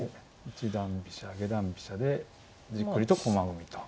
一段飛車下段飛車でじっくりと駒組みと。